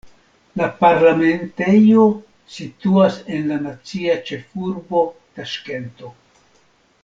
La parlamentejo situas en la nacia ĉefurbo Taŝkento.